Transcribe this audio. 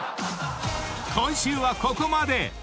［今週はここまで！］